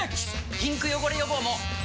ピンク汚れ予防も！